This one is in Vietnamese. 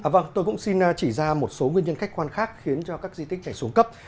vâng tôi cũng xin chỉ ra một số nguyên nhân khách quan khác khiến cho các di tích này xuống cấp